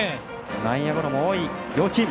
内野ゴロも多い両チーム。